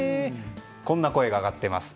こんな声が上がっています。